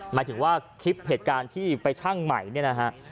หมายถึงว่าคลิปเหตุการณ์ที่ไปชั่งใหม่เนี่ยนะฮะ